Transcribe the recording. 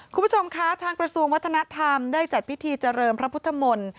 คุณผู้ชมคะทางกระทรวงวัฒนธรรมได้จัดพิธีเจริญพระพุทธมนตร์